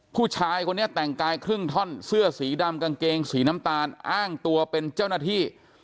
ผู้ชายคนนี้แต่งกายครึ่งท่อนเสื้อสีดำกางเกงสีน้ำตาลอ้างตัวเป็นเจ้าหน้าที่